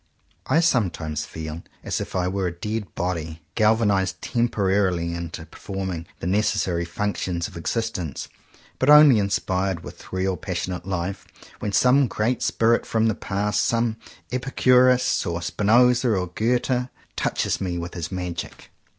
I sometimes feel as if I were a dead body, galvanized temporarily into perform ing the necessary functions of existence, but only inspired with real passionate life, when some great spirit from the past, some Epicurus or Spinoza or Goethe, touches me with his magic.